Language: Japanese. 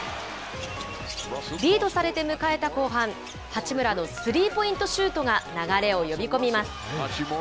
リードされて迎えた後半、八村のスリーポイントシュートが流れを呼び込みます。